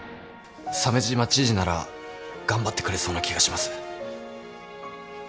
鮫島知事なら頑張ってくれそうな気がします。